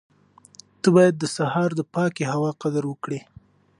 ته باید د سهار د پاکې هوا قدر وکړې.